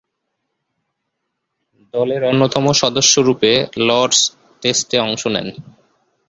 দলের অন্যতম সদস্যরূপে লর্ডস টেস্টে অংশ নেন।